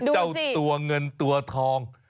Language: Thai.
เจ้าตัวเงินตัวทอง